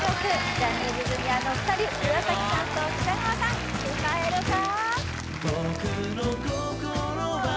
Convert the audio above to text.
ジャニーズＪｒ．のお二人岩さんと北川さん歌えるか？